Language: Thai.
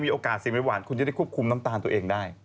โอกาสสิ่งไม่หวานคุณจะได้ควบคุมน้ำตาลตัวเองได้